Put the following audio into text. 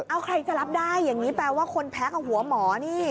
เอาใครจะรับได้อย่างนี้แปลว่าคนแพ้กับหัวหมอนี่